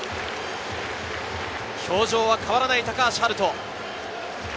表情は変わらない高橋遥人。